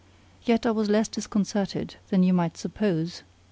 Yet I was less disconcerted than you might suppose.